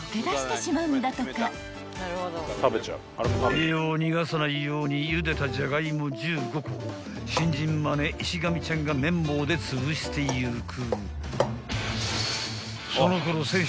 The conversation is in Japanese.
［栄養を逃がさないようにゆでたじゃがいも１５個を新人マネ石上ちゃんが麺棒でつぶしていく］